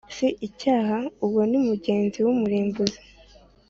“si icyaha”,uwo ni mugenzi w’umurimbuzi